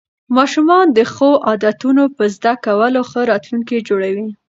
ماشومان د ښو عادتونو په زده کولو ښه راتلونکی جوړوي